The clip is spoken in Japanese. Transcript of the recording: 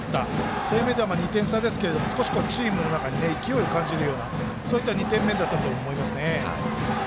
そういうところで２点差ですけどチームの中に勢いを感じるようなそういった２点目だったと思います。